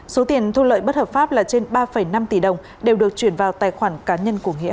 số tiền thu lợi bất hợp pháp là trên ba năm tỷ đồng đều được chuyển vào tài khoản cá nhân của nghĩa